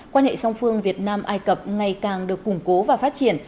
quan hệ song phương việt nam ai cập ngày càng được củng cố và phát triển